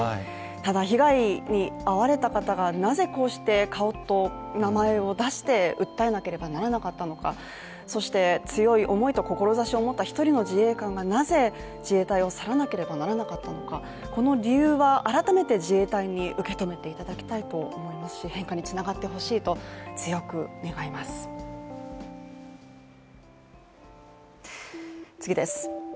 ただ、被害に遭われた方がなぜこうして顔と名前を出して訴えなければならなかったのかそして、強い思いと志を持った一人の自衛官がなぜ自衛隊を去らなければならなかったのかこの理由は改めて自衛隊に受け止めていただきたいと思いますし変化につながってほしいと強く願います。